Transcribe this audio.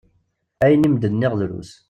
Ayen i am-d-nniɣ drus.